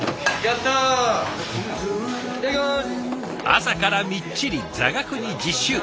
朝からみっちり座学に実習。